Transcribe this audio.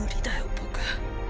僕。